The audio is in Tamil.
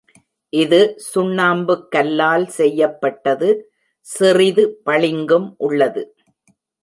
இது சுண்ணாம்புக் கல்லால் செய்யப்பட்டது, சிறிது பளிங்கும் உள்ளது.